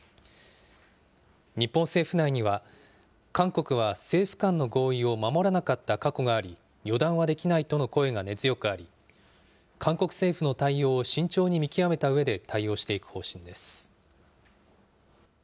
日本政府内には、韓国は政府間の合意を守らなかった過去があり、予断はできないとの声が根強くあり、韓国政府の対応を慎重に見極めたうえで対応していく方針です。